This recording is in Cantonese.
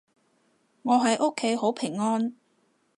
我喺屋企好平安